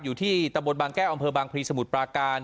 อยู่ที่ตะบนบางแก้วอำเภอบางพลีสมุทรปราการ